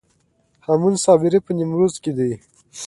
هامون صابري په نیمروز کې دی